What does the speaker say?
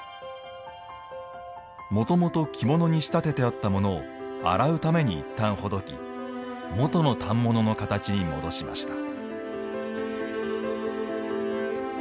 もともと着物に仕立ててあったものを洗うためにいったんほどき元の反物の形に戻しました。